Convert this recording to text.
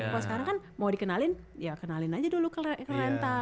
kalau sekarang kan mau dikenalin ya kenalin aja dulu ke rental